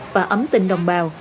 và ấm tình đồng bào